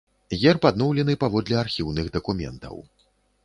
Герб адноўлены паводле архіўных дакументаў.